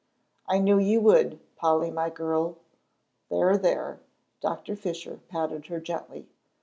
"I knew you would, Polly my girl. There there." Doctor Fisher patted her gently.